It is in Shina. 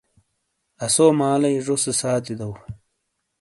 اسو مالئی زو سے ساتی دو